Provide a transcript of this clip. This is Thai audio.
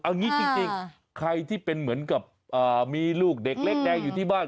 เอางี้จริงใครที่เป็นเหมือนกับมีลูกเด็กเล็กแดงอยู่ที่บ้าน